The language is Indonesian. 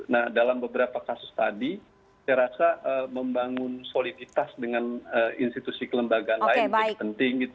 nah dalam beberapa kasus tadi saya rasa membangun soliditas dengan institusi kelembagaan lain menjadi penting gitu